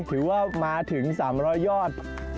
ถือว่ามาถึงสามรอยยอด